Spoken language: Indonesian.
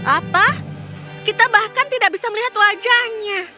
apa kita bahkan tidak bisa melihat wajahnya